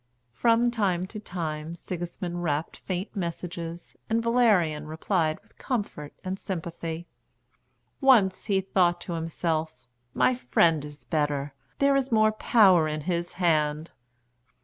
From time to time Sigismund rapped faint messages, and Valerian replied with comfort and sympathy. Once he thought to himself, "My friend is better; there is more power in his hand."